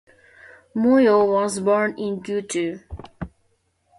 Moyo was born in Gutu.